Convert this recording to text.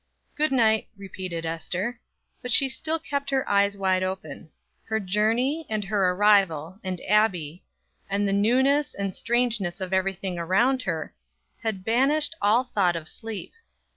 "Good night," repeated Ester; but she still kept her eyes wide open. Her journey, and her arrival, and Abbie, and the newness and strangeness of everything around her, had banished all thought of sleep.